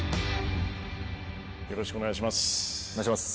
よろしくお願いします。